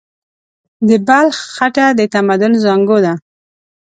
د بلخ خټه د تمدن زانګو ده.